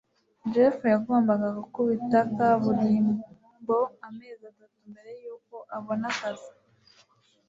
jeff yagombaga gukubita kaburimbo amezi atatu mbere yuko abona akazi